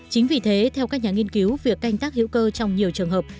chính vì thế theo các nhà nghiên cứu việc canh tác hữu cơ trong nhiều trường hợp